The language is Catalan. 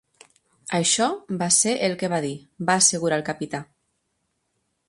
Això va ser el que va dir, va assegurar el capità.